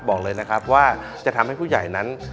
บอกเลยนะครับว่าจะทำให้ผู้ใหญ่นั้น